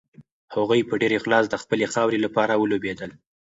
هغوی په ډېر اخلاص د خپلې خاورې لپاره ولوبېدل.